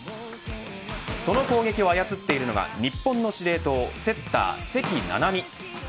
その攻撃を操っているのが日本の司令塔セッター、関菜々巳。